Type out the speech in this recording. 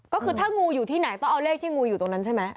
ก็คือถ้างูอยู่ที่ไหนต้องเอาเลขที่งูอยู่ตรงนั้นใช่ไหม